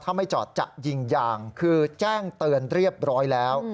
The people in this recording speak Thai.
ถ้าไม่จอดจะยิงยางคือแจ้งเตือนเรียบร้อยแล้ว